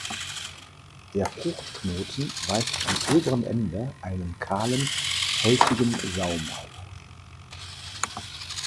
Der Fruchtknoten weist am oberen Ende einen kahlen, häutigen Saum auf.